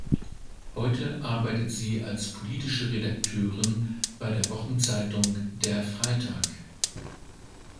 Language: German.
Heute arbeitet sie als politische Redakteurin bei der Wochenzeitung Der Freitag.